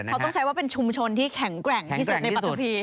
เขาต้องใช้ว่าเป็นชุมชนที่แข็งแกร่งที่สุดในปัตตุพี